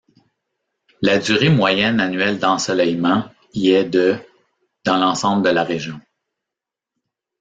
La durée moyenne annuelle d'ensoleillement y est de dans l'ensemble de la région.